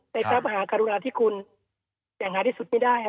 ในทรัพย์อาหารกรุณาธิคุณอย่างหายที่สุดไม่ได้